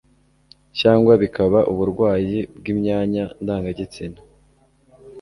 cyangwa bikaba uburwayi bw'imyanya ndangagitsina